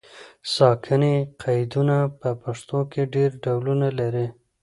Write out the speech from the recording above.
ساکني قیدونه په پښتو کې ډېر ډولونه لري.